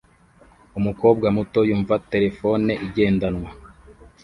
Umukobwa muto yumva terefone igendanwa